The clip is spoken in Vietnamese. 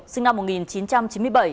sinh năm một nghìn chín trăm chín mươi bảy